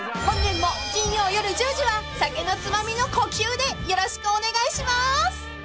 ［本年も金曜夜１０時は「酒のツマミの呼吸」でよろしくお願いします］